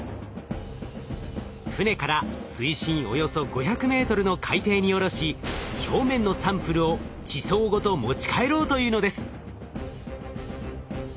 船から水深およそ５００ｍの海底に下ろし表面のサンプルを地層ごと持ち帰ろうというのです。